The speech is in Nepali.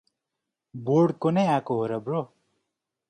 बोर्ड को नै आको हो र ब्रो?